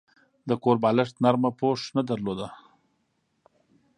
د کور بالښت نرمه پوښ نه درلوده.